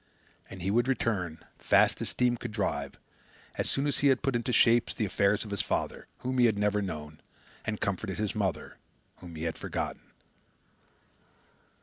And he would return, fast as steam could drive, as soon as he had put into shape the affairs of his father, whom he had never known, and comforted his mother, whom he had forgotten.